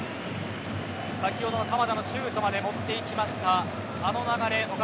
先ほどの鎌田のシュートまで持っていきました。